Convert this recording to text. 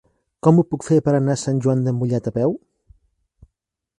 Com ho puc fer per anar a Sant Joan de Mollet a peu?